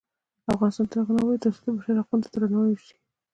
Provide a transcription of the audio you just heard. افغانستان تر هغو نه ابادیږي، ترڅو د بشر حقونو ته درناوی ونشي.